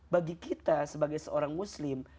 bagi kita sebagai seorang muslim